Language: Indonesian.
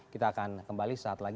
kita akan kembali saat lagi